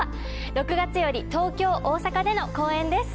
６月より東京大阪での公演です。